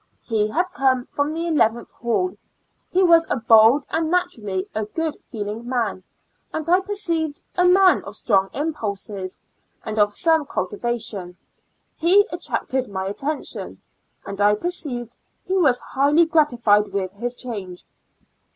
He had come from the eleventh hall; he was a bold and naturally a good feeling man, and, I per ceived, a man of strong impulses; and of some cultivation, he attracted my attention, and I perceived he was highly gratified with his change.